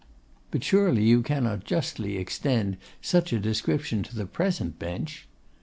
'But surely you cannot justly extend such a description to the present bench?